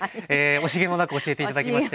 惜しげもなく教えて頂きまして。